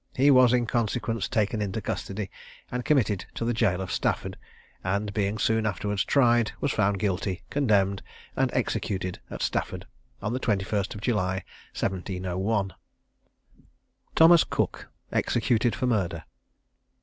He was in consequence taken into custody, and committed to the gaol of Stafford; and, being soon afterward tried, was found guilty, condemned, and executed at Stafford on the 21st of July, 1701. THOMAS COOK. EXECUTED FOR MURDER.